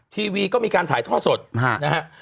ทีวีก็มีการถ่ายท่อสดนะฮะ